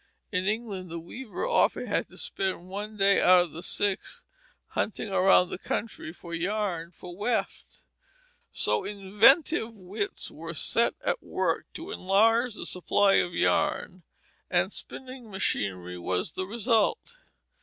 In England the weaver often had to spend one day out of the six hunting around the country for yarn for weft. So inventive wits were set at work to enlarge the supply of yarn, and spinning machinery was the result.